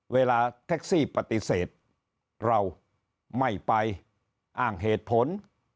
เวลาแท็กซี่ปฏิเสธเราไม่ไปอ้างเหตุผล